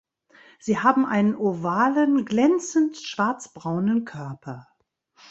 Sie haben einen ovalen glänzend schwarzbraunen Körper.